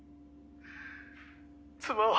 妻は。